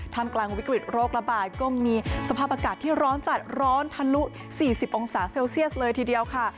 ทำกลางวิกฤตโรคระบาดก็มีสภาพอากาศที่ร้อนจัดร้อนทะลุ๔๐องศาเซลเซียสเลยทีเดียวค่ะ